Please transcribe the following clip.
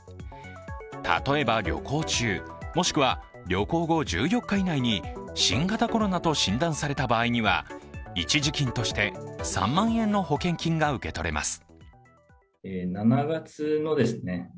例えば、旅行中もしくは旅行後１４日以内に新型コロナと診断された場合には一時金として３万円の保険金が受け取れます。